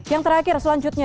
yang terakhir selanjutnya